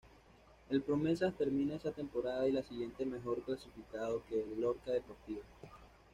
El Promesas termina esa temporada y la siguiente mejor clasificado que el Lorca Deportiva.